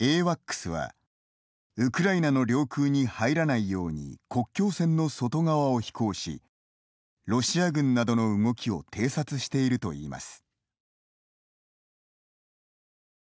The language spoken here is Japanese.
ＡＷＡＣＳは、ウクライナの領空に入らないように国境線の外側を飛行しロシア軍などの動きを偵察しているといいます。